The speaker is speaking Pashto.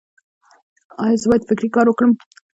ایا زه باید فکري کار وکړم؟